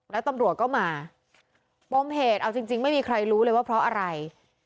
แล้วตำรวจก็มาปมเหตุเอาจริงไม่มีใครรู้เลยว่าเพราะอะไร